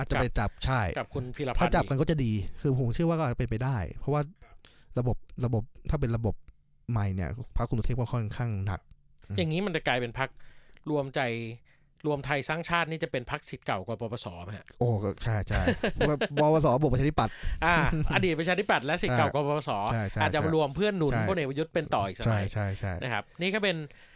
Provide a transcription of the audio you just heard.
อาจจะไปจับใช่กับคุณพิพรรภัณฑ์ถ้าจับกันก็จะดีคือผม